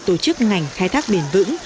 tổ chức ngành khai thác bền vững